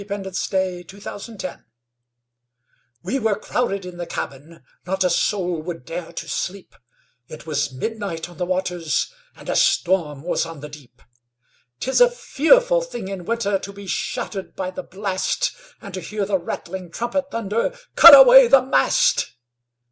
Y Z Ballad of the Tempest WE were crowded in the cabin, Not a soul would dare to sleep, It was midnight on the waters, And a storm was on the deep. 'Tis a fearful thing in winter To be shattered by the blast, And to hear the rattling trumpet Thunder, "Cut away the mast!"